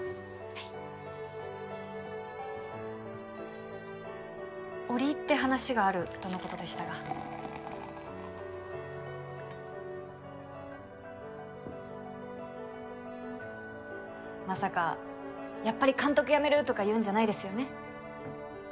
はい折り入って話があるとのことでしたがまさかやっぱり監督辞めるとか言うんじゃないですよね